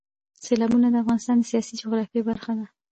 سیلابونه د افغانستان د سیاسي جغرافیه برخه ده.